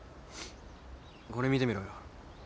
これ見てみろよ。